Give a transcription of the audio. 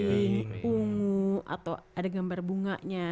pipi ungu atau ada gambar bunganya